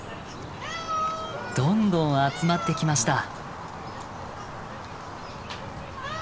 どんどん集まってきました。